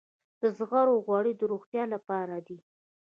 د زغرو غوړي د روغتیا لپاره دي.